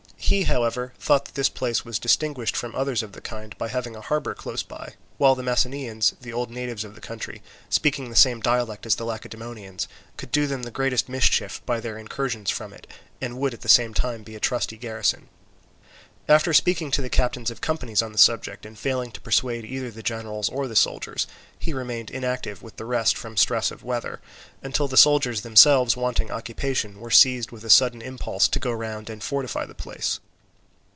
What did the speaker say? He, however, thought that this place was distinguished from others of the kind by having a harbour close by; while the Messenians, the old natives of the country, speaking the same dialect as the Lacedaemonians, could do them the greatest mischief by their incursions from it, and would at the same time be a trusty garrison. After speaking to the captains of companies on the subject, and failing to persuade either the generals or the soldiers, he remained inactive with the rest from stress of weather; until the soldiers themselves wanting occupation were seized with a sudden impulse to go round and fortify the place.